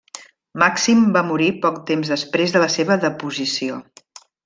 Màxim va morir poc temps després de la seva deposició.